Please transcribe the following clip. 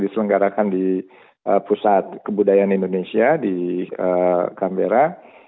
diselenggarakan di pusat kebudayaan indonesia di kamera